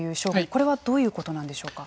これはどういうことなんでしょうか。